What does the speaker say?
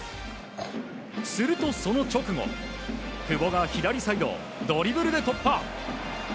すると、その直後久保が左サイドをドリブルで突破。